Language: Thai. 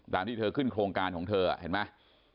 ที่เธอขึ้นโครงการของเธอเห็นไหม